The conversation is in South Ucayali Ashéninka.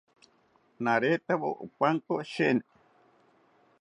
Naretawo opankoki sheeni